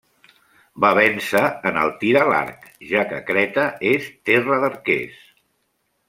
Va vèncer en el tir a l'arc, ja que Creta és terra d'arquers.